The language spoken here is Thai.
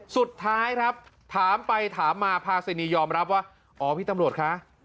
สุดท้ายครับถามไปถามมาพาสินียอมรับว่าอ๋อพี่ตำรวจคะ